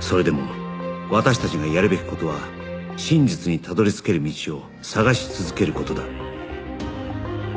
それでも私たちがやるべき事は真実にたどり着ける道を探し続ける事だ